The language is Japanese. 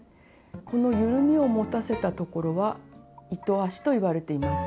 このゆるみを持たせたところは「糸足」といわれています。